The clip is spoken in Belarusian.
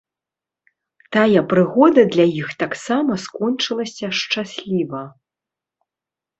Тая прыгода для іх таксама скончылася шчасліва.